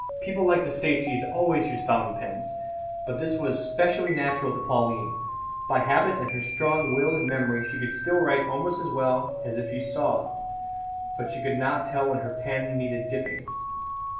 "People like the Staceys always use fountain pens; but this was specially natural to Pauline. By habit and her strong will and memory she could still write almost as well as if she saw; but she could not tell when her pen needed dipping.